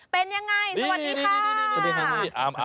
เป็นอย่างไรสวัสดีค่ะ